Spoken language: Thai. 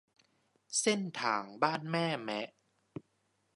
เส้นทางบ้านแม่แมะ